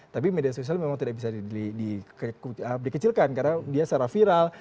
tapi media sosial memang tidak bisa dikecilkan karena dia secara viral